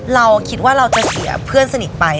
เราคิดว่าเราจะเสียเพื่อนสนิทไป